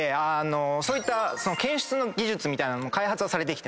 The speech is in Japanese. そういった検出の技術も開発はされてきてます。